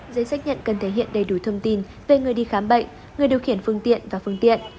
giấy xác nhận cần thể hiện đầy đủ thông tin về người đi khám bệnh người điều khiển phương tiện và phương tiện